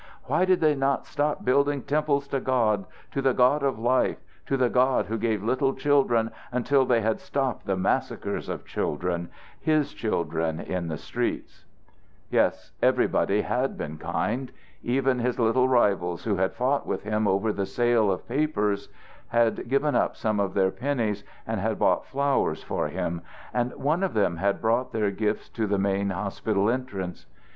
Why did they not stop building temples to God, to the God of life, to the God who gave little children, until they had stopped the massacre of children, His children in the streets! Yes; everybody had been kind. Even his little rivals who had fought with him over the sale of papers had given up some of their pennies and had bought flowers for him, and one of them had brought their gift to the main hospital entrance.